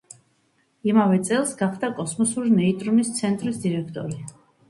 იმავე წელს გახდა კოსმოსური ნეიტრინოს ცენტრის დირექტორი.